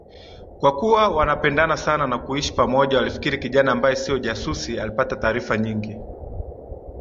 Kwakuwa wanapendana sana na kuishi pamoja walifikiri kijana ambaye sio jasusi alipata taarifa nyingi